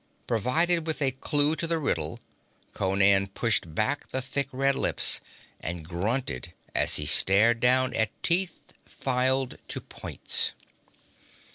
Provided with a clue to the riddle, Conan pushed back the thick red lips, and grunted as he stared down at teeth filed to points.